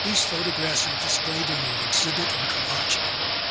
These photographs were displayed in an exhibit in Karachi.